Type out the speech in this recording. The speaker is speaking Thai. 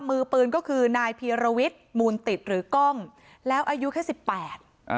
มือปืนก็คือนายเพียรวิตมูลติดหรือกล้องแล้วอายุแค่๑๘